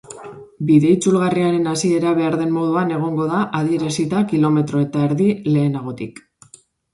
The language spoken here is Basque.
Bide itzulgarriaren hasiera behar den moduan egongo da adierazita kilometro eta erdi lehenagotik.